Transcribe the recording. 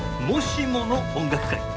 もしもの音楽会」